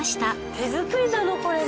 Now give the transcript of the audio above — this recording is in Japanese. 手作りなのこれも！